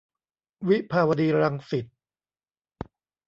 วิภาวดีรังสิต